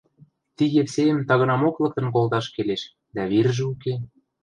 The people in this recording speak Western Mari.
Ти Евсейӹм тагынамок лыктын колташ келеш, дӓ виржӹ уке...